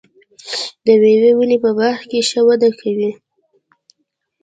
د مېوو ونې په باغ کې ښه وده کوي.